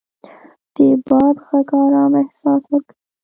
د باد غږ ارام احساس ورکوي